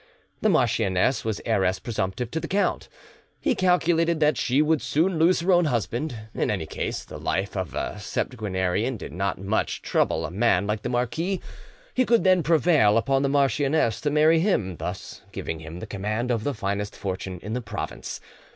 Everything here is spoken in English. The marchioness was heiress presumptive to the count: he calculated that she would soon lose her own husband; in any case, the life of a septuagenarian did not much trouble a man like the marquis; he could then prevail upon the marchioness to marry him, thus giving him the command of the finest fortune in the province.